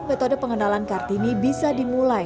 metode pengenalan kartini bisa dimulai